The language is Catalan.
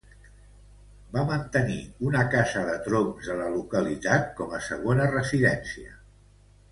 Va mantenir una casa de troncs a la localitat com a segona residència.